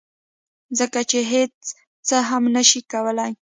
ځکه چې هیڅ څه هم نشي کولی